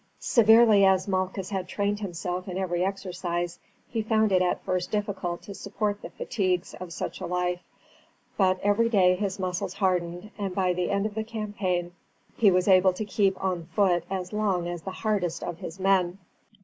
Severely as Malchus had trained himself in every exercise, he found it at first difficult to support the fatigues of such a life; but every day his muscles hardened, and by the end of the campaign he was able to keep on foot as long as the hardest of his men.